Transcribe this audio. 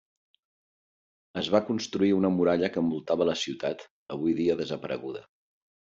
Es va construir una muralla que envoltava la ciutat, avui dia desapareguda.